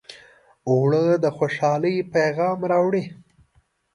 اوړه د خوشحالۍ پیغام راوړي